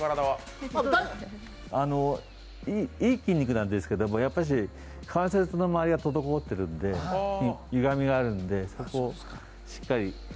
いい筋肉なんですけど、関節の周りがとどこおっているんでゆがみがあるんでそこをしっかり。